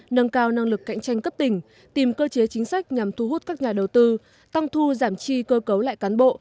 nâng cao năng lực cạnh tranh cấp tỉnh tìm cơ chế chính sách nhằm thu hút các nhà đầu tư tăng thu giảm chi cơ cấu lại cán bộ